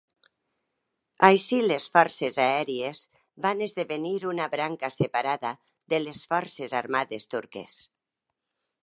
Així, les Forces Aèries van esdevenir una branca separada de les Forces Armades Turques.